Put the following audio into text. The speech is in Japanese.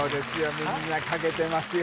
みんなかけてますよ